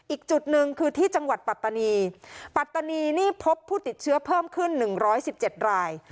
อีกจุดหนึ่งคือที่จังหวัดปัตตานีปัตตานีนี่พบผู้ติดเชื้อเพิ่มขึ้น๑๑๗ราย